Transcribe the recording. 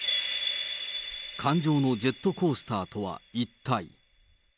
感情のジェットコースターとは一体。